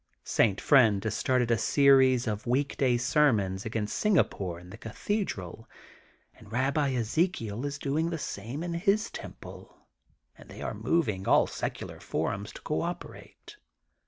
St. Friend has started a series of week day sermons against Singapore in the Cathe dral and Babbi Ezekiel is doing the sapae in his Temple and they are moving all secular forums to co operate.